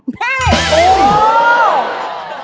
โววววว